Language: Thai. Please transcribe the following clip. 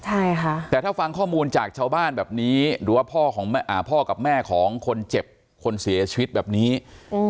ใช่ค่ะแต่ถ้าฟังข้อมูลจากชาวบ้านแบบนี้หรือว่าพ่อของอ่าพ่อกับแม่ของคนเจ็บคนเสียชีวิตแบบนี้อืม